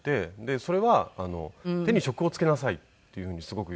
それは「手に職をつけなさい」っていうふうにすごく言われて。